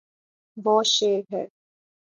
وہ شیر ہے